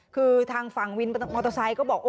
คือทางฝั่งวินมอเตอร์ไซค์ก็บอก